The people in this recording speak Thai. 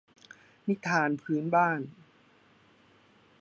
นิทานพื้นบ้าน